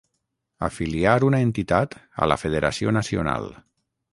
Afiliar una entitat a la federació nacional.